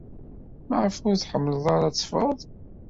Maɣef ur tḥemmled ara ad teffɣed?